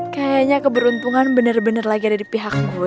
kayanya keberuntungan bener bener lagi ada di pihak gue deh